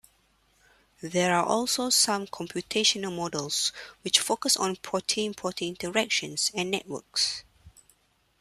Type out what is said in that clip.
There are also some computational models which focus on protein-protein interactions and networks.